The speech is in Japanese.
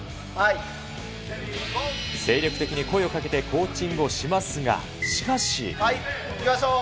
精力的に声をかけてコーチンはい、いきましょう。